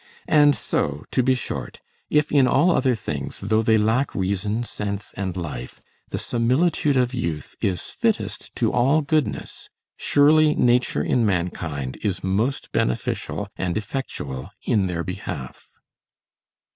And so, to be short, if in all other things, though they lack reason, sense, and life, the similitude of youth is fittest to all goodness, surely nature in mankind is most beneficial and effectual in their behalf.